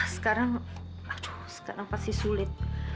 sekarang aduh sekarang pasti sulit